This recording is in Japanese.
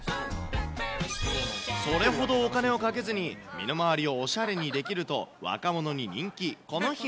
それほどお金をかけずに、身の回りをおしゃれにできると、若者に人気。